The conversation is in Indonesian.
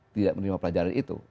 tidak menerima pelajaran itu